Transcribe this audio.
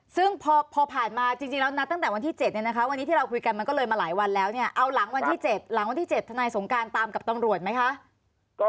ซึ่งพอผ่านมาจริงแล้วนัดตั้งแต่วันที่๗เนี่ยนะคะวันนี้ที่เราคุยกันมันก็เลยมาหลายวันแล้วเนี่ยเอาหลังวันที่๗หลังวันที่๗ทนายสงการตามกับตำรวจไหมคะ